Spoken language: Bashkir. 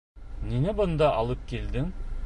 Ниңә бында алып килдең?